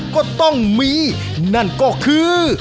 ก็ต้องมีนั่นก็คือ